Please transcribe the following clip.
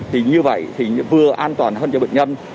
thì như vậy thì vừa an toàn hơn cho bệnh nhân